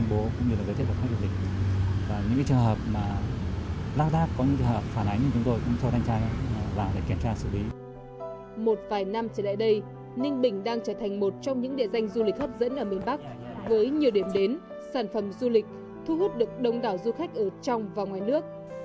một vài năm trở lại đây ninh bình đang trở thành một trong những địa danh du lịch hấp dẫn ở miền bắc với nhiều điểm đến sản phẩm du lịch thu hút được đông đảo du khách ở trong và ngoài nước